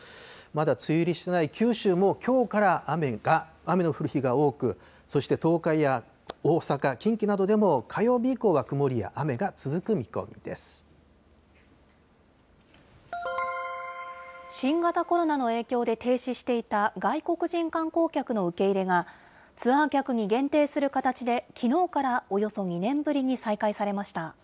まだ梅雨入りしていない九州も、きょうから雨の降る日が多く、そして東海や大阪、近畿などでも火曜日以降は曇りや雨が続く見込み新型コロナの影響で停止していた外国人観光客の受け入れが、ツアー客に限定する形で、きのうからおよそ２年ぶりに再開されました。